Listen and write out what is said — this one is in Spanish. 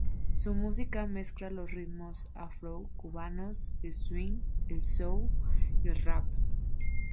Su música mezcla los ritmos afrocubanos, el swing, el soul y el rap.